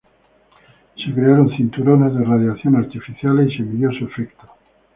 Se crearon cinturones de radiación artificiales y se midió su efecto.